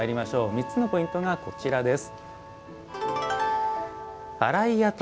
３つのポイントがこちらです。